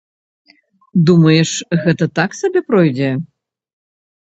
Думаеш, гэта так сабе пройдзе?